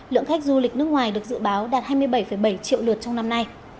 lượng khách du lịch nước ngoài được dự báo đạt hai mươi bảy bảy triệu lượt trong năm nay